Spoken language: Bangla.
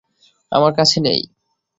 আমার কাছে নেই।